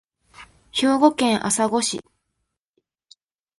兵庫県朝来市